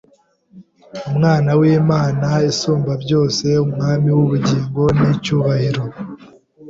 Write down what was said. Umwana w’Imana Isumbabyose, Umwami w’ubugingo n’icyubahiro,